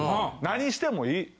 何してもいい。